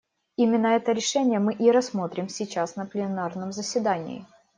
Именно это решение мы и рассмотрим сейчас на пленарном заседании.